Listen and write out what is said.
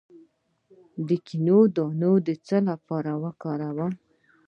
د کینو دانه د څه لپاره وکاروم؟